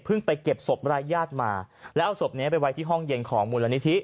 ไปเก็บศพรายญาติมาแล้วเอาศพนี้ไปไว้ที่ห้องเย็นของมูลนิธิ